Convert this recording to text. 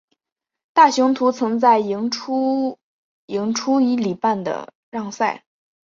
大雄图曾在赢出赢出一哩半的让赛。